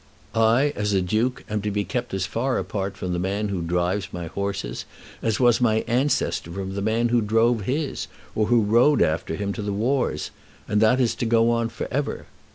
I as a Duke am to be kept as far apart from the man who drives my horses as was my ancestor from the man who drove his, or who rode after him to the wars, and that is to go on for ever.